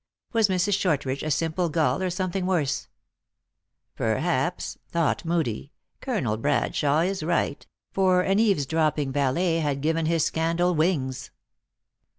Was Mrs. Shortridge a simple gull or something worse ?" Perhaps," thought Moodie, " Colonel Bradshawe is right ;" for an eaves dropping valet had given his scandal wings.